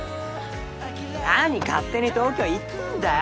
何勝手に東京行ってんだよ！